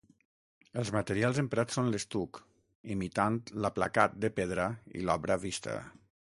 Els materials emprats són l'estuc, imitant l'aplacat de pedra i l'obra vista.